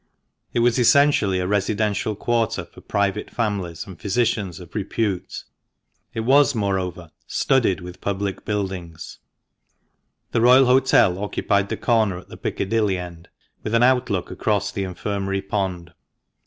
It was essentially a residential quarter for private families and physicians of repute, It was, moreover, studded with public buildings. The Royal Hotel occupied the corner at the Piccadilly end, with an outlook across the Infirmary pond.